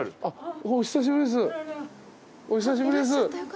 お久しぶりです。